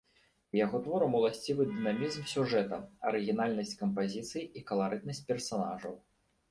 Яго творам уласцівы дынамізм сюжэта, арыгінальнасць кампазіцыі і каларытнасць персанажаў.